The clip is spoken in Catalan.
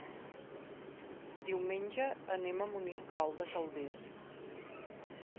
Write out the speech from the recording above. Diumenge anem a Monistrol de Calders.